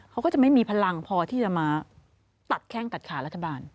เขาก็จะไม่มีพลังพอที่จะมาตัดแข้งตัดขารัฐบาล